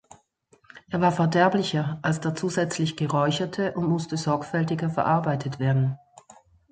Er war verderblicher als der zusätzlich geräucherte und musste sorgfältiger verarbeitet werden.